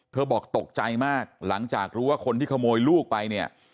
บอกตกใจมากหลังจากรู้ว่าคนที่ขโมยลูกไปเนี่ย